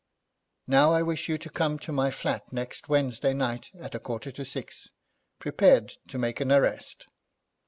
Now I wish you to come to my flat next Wednesday night at a quarter to six, prepared to make an arrest.'